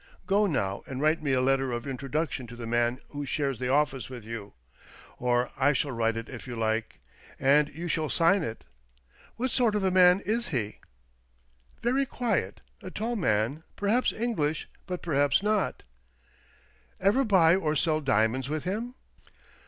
Go now and write me a letter of introduction to the man who shares the office with you. Or I will write it if you like, and you shall sign it. What sort of a man is he ?" 10 130 THE DOliBlNGTON DEED BOX " Very quiet — a tall man, perhaps English, but perhaps not." " Ever buy or sell diamonds with him?